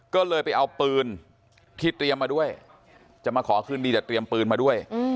ก็เลยไปเอาปืนที่เตรียมมาด้วยจะมาขอคืนดีแต่เตรียมปืนมาด้วย